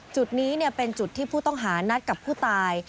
จุดนี้เป็นจุดที่ผู้ต้องหานัดกับผู้ตาย